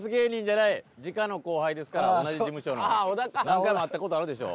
何回も会ったことあるでしょ。